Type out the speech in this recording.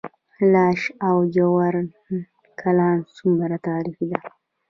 لاش او جوین کلا څومره تاریخي ده؟